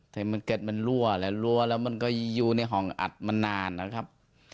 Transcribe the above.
แต่มันเก็ตมันรั่วแล้วรั่วแล้วมันก็อยู่ในห้องอัดมานานนะครับ